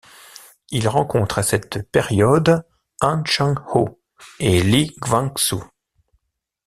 Il rencontre à cette période An Chang-ho et Lee Gwangsu.